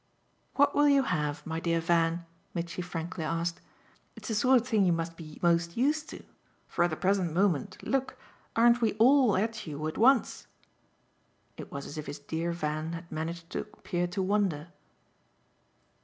"What will you have, my dear Van?" Mitchy frankly asked. "It's the sort of thing you must be most used to. For at the present moment look! aren't we all at you at once?" It was as if his dear Van had managed to appear to wonder.